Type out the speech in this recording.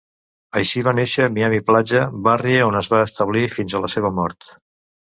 Així va néixer Miami Platja, barri on es va establir fins a la seva mort.